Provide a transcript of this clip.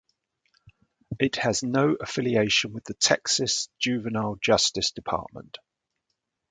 It has no affiliation with the Texas Juvenile Justice Department.